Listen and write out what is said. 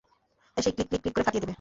এসেই click click click করে ফাটিয়ে দেবে।